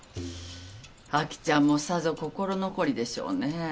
アキちゃんもさぞ心残りでしょうねえ。